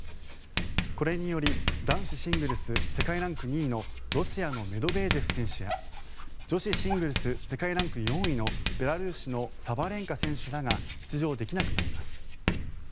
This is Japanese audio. これにより男子シングルス世界ランク２位のロシアのメドベージェフ選手や女子シングルス世界ランク４位のベラルーシのサバレンカ選手らが出場できなくなります。